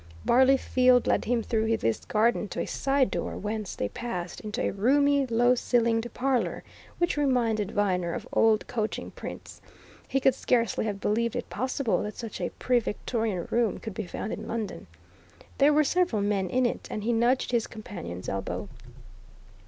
Barleyfield led him through this garden to a side door, whence they passed into a roomy, low ceilinged parlour which reminded Viner of old coaching prints he would scarcely have believed it possible that such a pre Victorian room could be found in London. There were several men in it, and he nudged his companion's elbow.